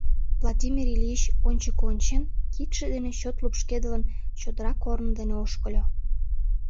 Владимир Ильич, ончыко ончен, кидше дене чот лупшкедылын, чодыра корно дене ошкыльо.